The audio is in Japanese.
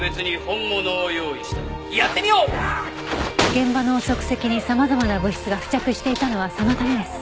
現場の足跡に様々な物質が付着していたのはそのためです。